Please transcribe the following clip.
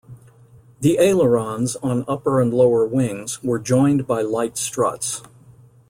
The ailerons, on upper and lower wings, were joined by light struts.